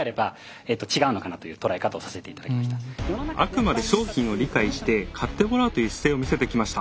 あくまで商品を理解して買ってもらうという姿勢を見せてきました。